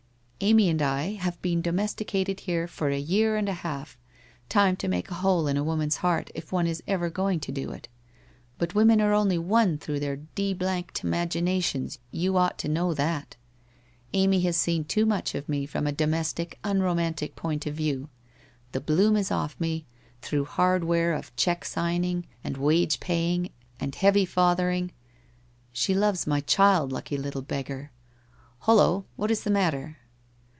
Amy and I have been domesticated here for a year and a half — time to make a hole in a woman's heart, if one is ever going to do it. But women are only won through their d d imaginations, you ought to know that. Amy has seen too much of me, from a domestic, unromantic point of view. The bloom is off me, through hard wear of cheque signing and wage paying and heavy fathering. She loves my child, lucky little beggar! Hollo! What is the matter?'